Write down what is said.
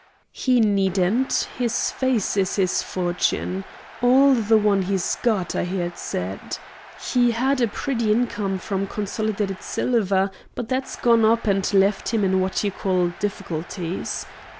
"He needn't. His face is his fortune all the one he's got, I hear it said. He had a pretty income from Consolidated Silver, but that's gone up and left him in what you call difficulties.